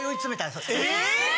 え！